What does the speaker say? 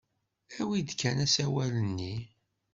Awi-d kan asawal-nni.